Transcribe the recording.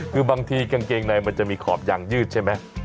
คือบางทีกางเกงในมันจะมีขอบยางยืดใช่ไหม